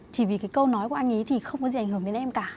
chỉ vì cái câu nói của anh ấy thì không có gì ảnh hưởng đến em cả